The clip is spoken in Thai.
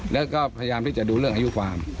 แล้วก็พยายามที่จะดูเรื่องอายุความ